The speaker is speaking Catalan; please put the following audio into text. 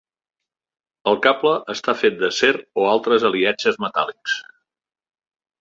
El cable està fet d'acer o altres aliatges metàl·lics.